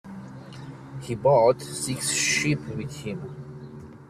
He brought six sheep with him.